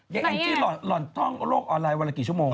แองจี้หล่อนท่องโลกออนไลน์วันละกี่ชั่วโมง